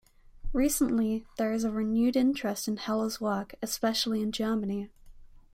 Recently, there is a renewed interest in Heller's work, especially in Germany.